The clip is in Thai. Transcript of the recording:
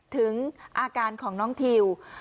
ถึงอาการของน้องทิว